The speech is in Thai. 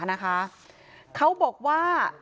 นะคะเขาบอกว่า